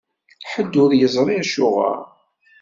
Ḥedd ur yeẓri acuɣer.